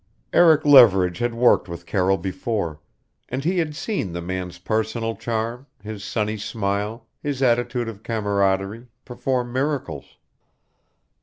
Eric Leverage had worked with Carroll before, and he had seen the man's personal charm, his sunny smile, his attitude of camaraderie, perform miracles.